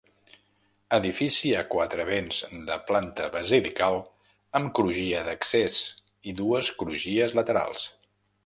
Edifici a quatre vents de planta basilical amb crugia d'accés i dues crugies laterals.